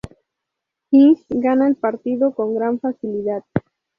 King gana el partido con gran facilidad.